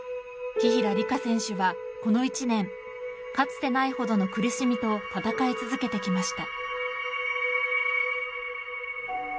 紀平梨花選手は、この１年かつてないほどの苦しみと戦い続けてきました。